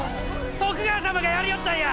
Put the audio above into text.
徳川様がやりおったんや！